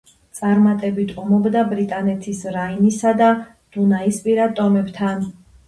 წარმატებით ომობდა ბრიტანეთის, რაინისა და დუნაისპირა ტომებთან.